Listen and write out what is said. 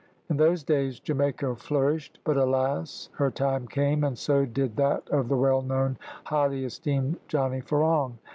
In those days Jamaica flourished, but alas! her time came, and so did that of the well known highly esteemed Johnny Ferong.